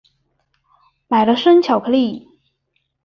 买了生巧克力